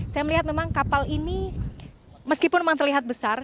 saya melihat memang kapal ini meskipun memang terlihat besar